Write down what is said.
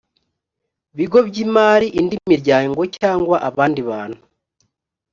bigo by imari indi miryango cyangwa abandi bantu